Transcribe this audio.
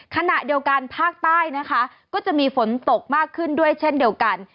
ขณะเดียวกันภาคใต้นะคะก็จะมีฝนตกมากขึ้นด้วยเช่นเดียวกัน